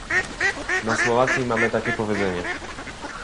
Na Słowacji mamy takie powiedzenie